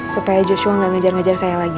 supaya joshua gak ngejar ngejar saya lagi